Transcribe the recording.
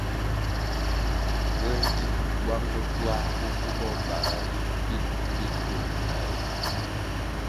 Puē gi bwang bo twā bo bugoh bara ri pil mbpi pil ndtoh ñina ri?